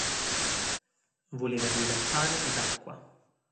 Voleva dire a pane ed acqua.